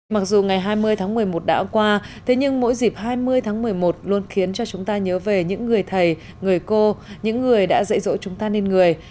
mặc dù ngày hai mươi tháng một mươi một đã qua thế nhưng mỗi dịp hai mươi tháng một mươi một luôn khiến cho chúng ta nhớ về những người thầy người cô những người đã dạy dỗ chúng ta nên người